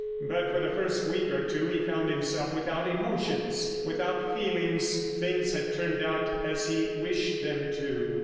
But for the first week or two he found himself without emotions, without feelings. Things had turned out as he wished them to.